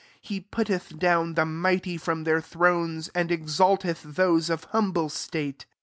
53 He putteth dovm tk mighty Jrom their thrones ; am ejtalteth those of humble state.